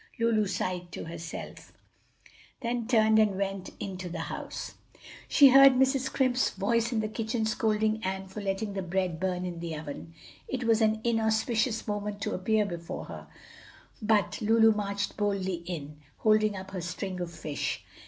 Lulu sighed to herself, then turned and went into the house. She heard Mrs. Scrimp's voice in the kitchen scolding Ann for letting the bread burn in the oven. It was an inauspicious moment to appear before her, but Lulu marched boldly in, holding up her string of fish.